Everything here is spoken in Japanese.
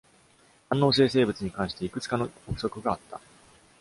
反応生成物に関していくつかの憶測があった。